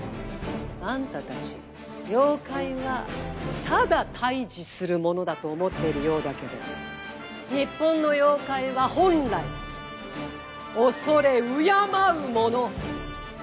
あんたたち妖怪はただ退治するものだと思っているようだけど日本の妖怪は本来畏れ敬うもの。